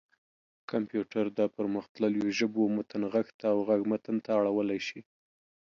کمپيوټر د پرمختلليو ژبو متن غږ ته او غږ متن ته اړولی شي.